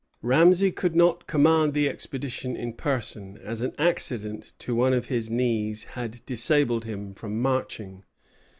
Ramesay could not command the expedition in person, as an accident to one of his knees had disabled him from marching.